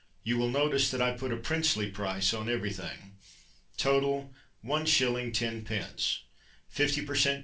(You will notice that I put a princely price on everything), Total, 1s. 10d. Fifty per cent.